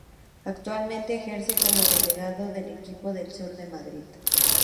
Actualmente ejerce como delegado del equipo del sur de Madrid.